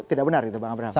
tidak benar bang abraham